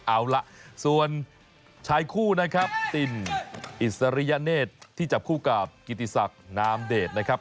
เอาล่ะส่วนชายคู่นะครับตินอิสริยเนธที่จับคู่กับกิติศักดิ์นามเดชนะครับ